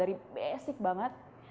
itu basic banget